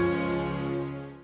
tunggu pak bos